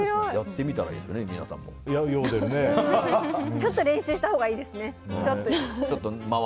ちょっと練習したほうがいいですね。